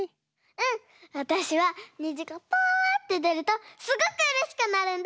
うんわたしはにじがパッてでるとすごくうれしくなるんだ。